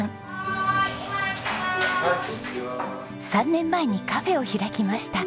３年前にカフェを開きました。